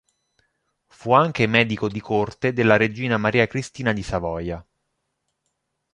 Fu anche medico di corte della regina Maria Cristina di Savoia.